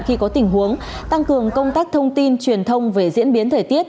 khi có tình huống tăng cường công tác thông tin truyền thông về diễn biến thời tiết